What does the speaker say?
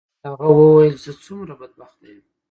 هغه وویل چې زه څومره بدبخته یم.